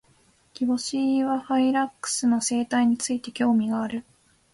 キボシイワハイラックスの生態について、興味がある。